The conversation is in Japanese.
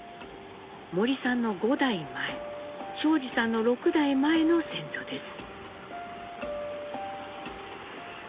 森さんの５代前昭二さんの６代前の先祖です。